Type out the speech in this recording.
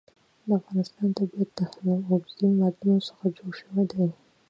د افغانستان طبیعت له اوبزین معدنونه څخه جوړ شوی دی.